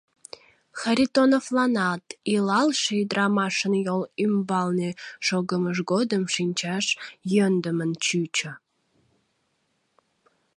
Харитоновланат илалше ӱдрамашын йол ӱмбалне шогымыж годым шинчаш йӧндымын чучо.